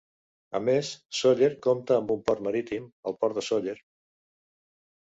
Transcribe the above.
A més, Sóller compta amb un port marítim, el port de Sóller.